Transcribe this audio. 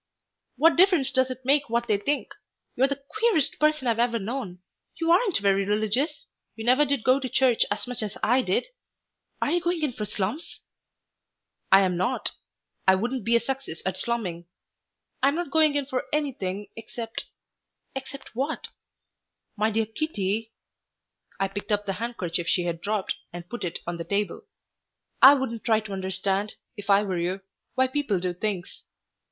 "What difference does it make what they think? You're the queerest person I've ever known! You aren't very religious. You never did go to church as much as I did. Are you going in for slums?" "I am not. I wouldn't be a success at slumming. I'm not going in for anything except " "Except what?" "My dear Kitty," I picked up the handkerchief she had dropped and put it on the table, "I wouldn't try to understand, if I were you, why people do things.